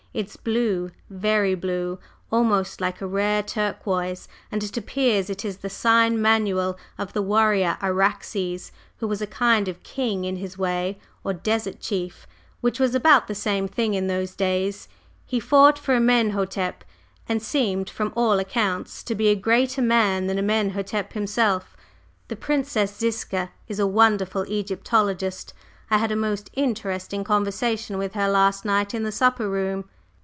It's blue very blue almost like a rare turquoise, and it appears it is the sign manual of the warrior Araxes, who was a kind of king in his way, or desert chief, which was about the same thing in those days. He fought for Amenhotep, and seemed from all accounts to be a greater man than Amenhotep himself. The Princess Ziska is a wonderful Egyptologist; I had a most interesting conversation with her last night in the supper room."